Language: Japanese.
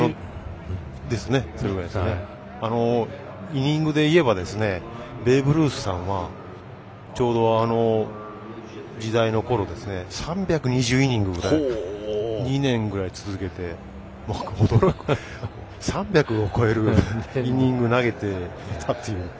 イニングでいえばベーブ・ルースさんは３２０イニングを２年ぐらい続けて３００を超えるイニングを投げていたという。